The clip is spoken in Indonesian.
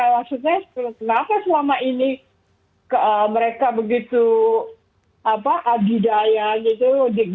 mereka maksudnya kenapa selama ini mereka begitu agidaya gitu